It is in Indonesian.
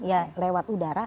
ya lewat udara